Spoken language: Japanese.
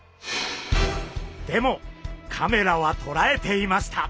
でもカメラはとらえていました。